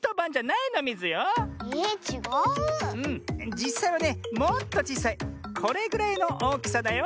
じっさいはねもっとちいさいこれぐらいのおおきさだよ。